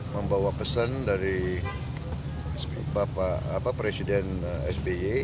membawa pesan dari presiden sby